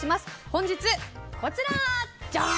本日、こちら。